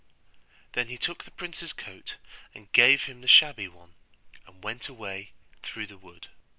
Then he took the prince's coat, and gave him the shabby one, and went away through the wood.